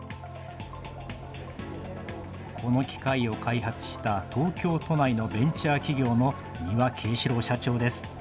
この機械を開発した東京都内のベンチャー企業の二羽啓史郎社長です。